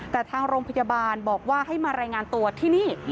แต่ทางโรงพยาบาลบอกว่าให้มารายงานตัวที่นี่